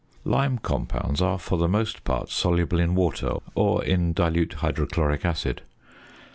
Lime compounds are for the most part soluble in water or in dilute hydrochloric acid.